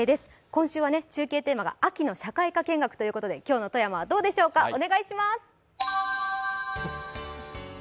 今週は、中継テーマが秋の社会科見学ということで、今日の富山はどうでしょうかお願いします。